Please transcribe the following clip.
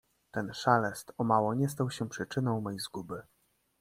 "Ten szelest o mało nie stał się przyczyną mej zguby."